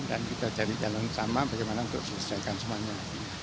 dan kita cari jalan sama bagaimana untuk selesaikan semuanya